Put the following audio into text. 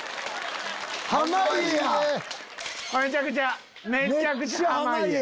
めちゃくちゃ濱家。